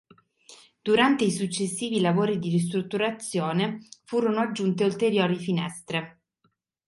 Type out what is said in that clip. Durante i successivi lavori di ristrutturazione furono aggiunte ulteriori finestre.